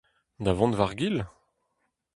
Da vont war-gil ?